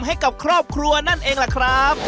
ให้กับครอบครัวนั่นเองล่ะครับ